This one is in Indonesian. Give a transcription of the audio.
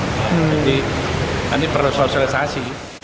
jadi nanti perlu sosialisasi